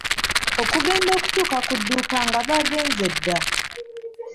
Okugenda okutuuka ku dduuka nga baagenze dda.